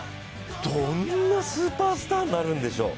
どんなスーパースターになるんでしょう。